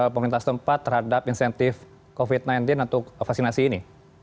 pemerintah setempat terhadap insentif covid sembilan belas untuk vaksinasi ini